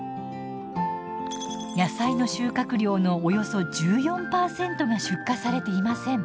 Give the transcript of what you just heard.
野菜の収穫量のおよそ１４％が出荷されていません。